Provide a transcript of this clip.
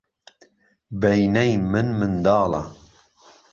بهینەی من منداڵە